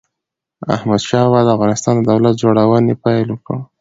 احمد شاه بابا د افغانستان د دولت جوړونې پيل وکړ.